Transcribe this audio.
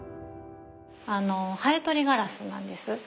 あのハエ取りガラスなんです。